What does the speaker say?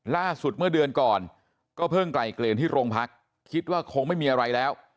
เมื่อเดือนก่อนก็เพิ่งไกลเกลียนที่โรงพักคิดว่าคงไม่มีอะไรแล้ว